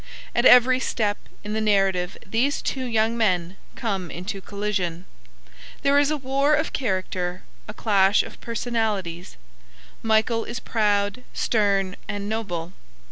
At every step in the narrative these two young men come into collision. There is a war of character, a clash of personalities. Michael is proud, stern and noble.